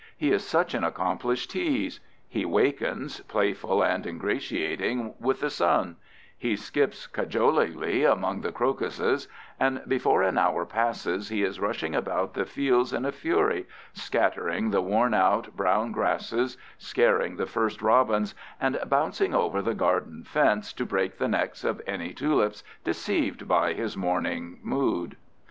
He is such an accomplished tease! He wakens, playful and ingratiating, with the sun; he skips cajolingly among the crocuses; and before an hour passes he is rushing about the fields in a fury, scattering the worn out, brown grasses, scaring the first robins, and bouncing over the garden fence to break the necks of any tulips deceived by his morning mood.